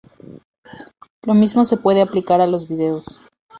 Lo mismo se puede aplicar a los vídeos.